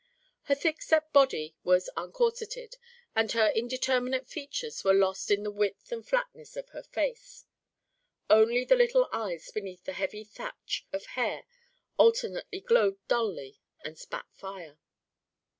Her thick set body was uncorseted, and her indeterminate features were lost in the width and flatness of her face. Only the little eyes beneath the heavy thatch of hair alternately glowed dully and spat fire.